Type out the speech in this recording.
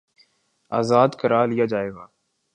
آزاد کرا لیا جائے گا